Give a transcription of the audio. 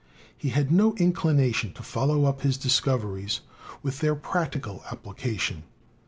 He had no inclination to follow up his discoveries with their practical application.